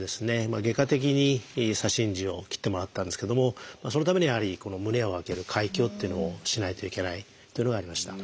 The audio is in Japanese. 外科的に左心耳を切ってもらったんですけどもそのためにはやはり胸を開ける開胸っていうのをしないといけないというのがありました。